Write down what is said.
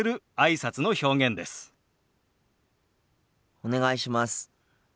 お願いします。